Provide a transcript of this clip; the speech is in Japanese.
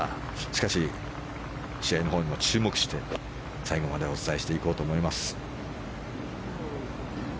しかし、試合のほうにも注目して最後までお伝えしていこうと思います。